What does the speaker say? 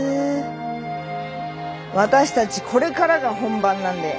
私たちこれからが本番なんで！